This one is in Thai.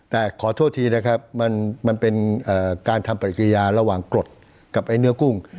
แต่ขอโทษทีนะครับมันเป็นการทำปฏิกิริยาระหว่างกรดกับไอ้เนื้อกุ้ง